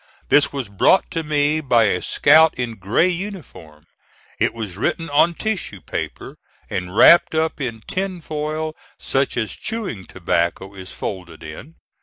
This was brought to me by a scout in gray uniform. It was written on tissue paper, and wrapped up in tin foil such as chewing tobacco is folded in.